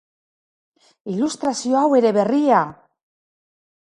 Ilustrazio hau ere berria!